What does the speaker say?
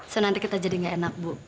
so nanti kita jadi nggak enak bu